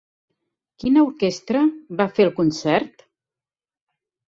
Quina orquestra va fer el concert?